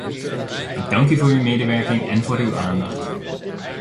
Ik dank u voor uw medewerking en voor uw aandacht.